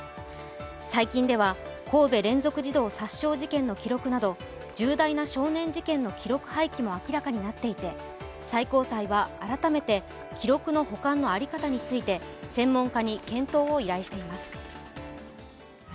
最近では神戸連続児童殺傷事件の記録など重大な少年事件の記録廃棄も明らかになっていて最高裁は改めて、記録の保管の在り方について専門家に検討を依頼しています。